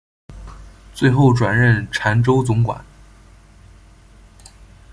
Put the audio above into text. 最后转任澶州总管。